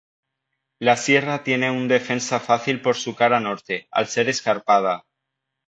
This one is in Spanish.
La sierra tiene un defensa fácil por su cara norte, al ser escarpada.